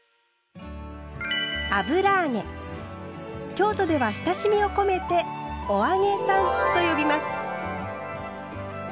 京都では親しみを込めて「お揚げさん」と呼びます。